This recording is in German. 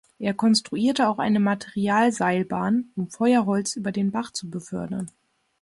Er konstruierte auch eine Materialseilbahn, um Feuerholz über den Bach zu befördern.